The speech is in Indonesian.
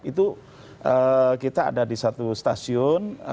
itu kita ada di satu stasiun